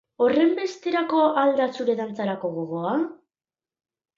Horrenbesterako al da zure dantzarako gogoa?